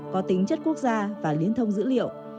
có tính chất quốc gia và liên thông dữ liệu